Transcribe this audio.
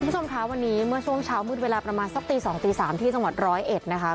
คุณผู้ชมคะวันนี้เมื่อช่วงเช้ามืดเวลาประมาณสักตี๒ตี๓ที่จังหวัดร้อยเอ็ดนะคะ